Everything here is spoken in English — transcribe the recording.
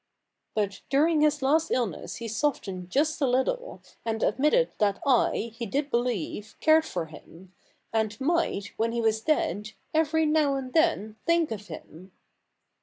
But during his last illness he softened just a little, and admitted that I, he did believe, cared for him, and might, when he was dead, every now and then think of him.